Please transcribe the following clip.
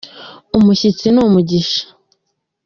Umushyitsi ni umugisha.